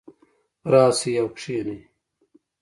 راشئ او کښېنئ